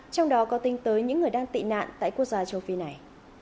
trong đó có tính tới những người đang tị nạn tại quốc gia châu phi này